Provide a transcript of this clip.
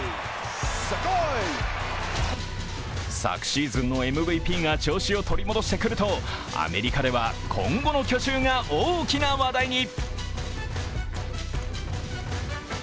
昨シーズンのＭＶＰが調子を取り戻してくるとアメリカでは、今後の去就が大きな話題に。